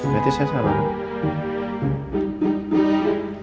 berarti saya salah